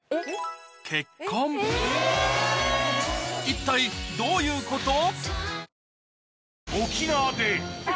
一体どういうこと？